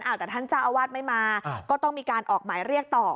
แต่ท่านเจ้าอาวาสไม่มาก็ต้องมีการออกหมายเรียกต่อ